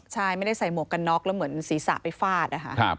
ใช่ไม่ได้ใส่หมวกกันน็อกแล้วเหมือนศีรษะไปฟาดนะคะ